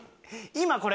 今これ。